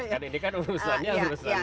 kan ini kan urusan nya urusan